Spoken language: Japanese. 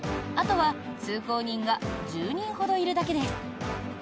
あとは通行人が１０人ほどいるだけです。